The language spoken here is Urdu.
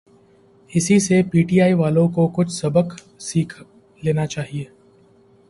اسی سے پی ٹی آئی والوں کو کچھ سبق سیکھ لینا چاہیے۔